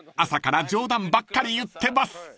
朝から冗談ばっかり言ってます］